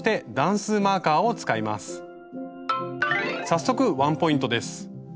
早速ワンポイントです。